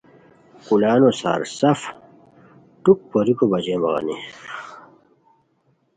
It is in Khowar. کولانو سار سف ُٹک پوریکو بچین بغانی